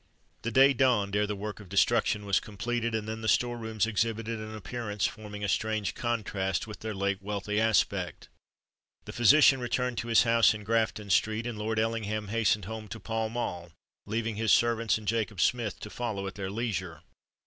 The day dawned ere the work of destruction was completed: and then the store rooms exhibited an appearance forming a strange contrast with their late wealthy aspect. The physician returned to his house in Grafton Street; and Lord Ellingham hastened home to Pall Mall, leaving his servants and Jacob Smith to follow at their leisure.